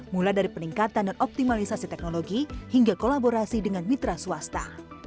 mulai dari peningkatan dan optimalisasi teknologi hingga kolaborasi dengan mitra swasta